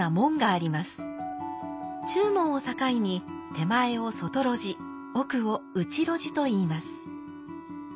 中門を境に手前を外露地奥を内露地といいます。